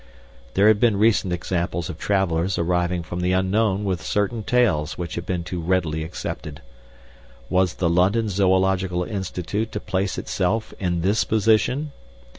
There had been recent examples of travelers arriving from the unknown with certain tales which had been too readily accepted. Was the London Zoological Institute to place itself in this position?